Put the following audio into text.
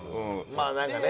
まあなんかね